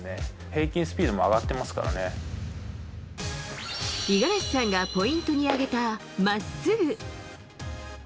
平均スピードも上がってますから五十嵐さんがポイントに挙げたまっすぐ。